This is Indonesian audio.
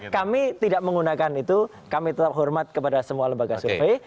kami tidak menggunakan itu kami tetap hormat kepada semua lembaga survei